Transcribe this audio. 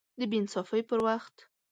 د بې انصافۍ پر وخت